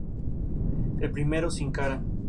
El primero sin cara!